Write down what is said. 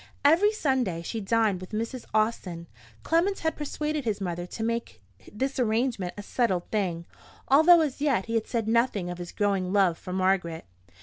Every Sunday she dined with Mrs. Austin. Clement had persuaded his mother to make this arrangement a settled thing; although as yet he had said nothing of his growing love for Margaret.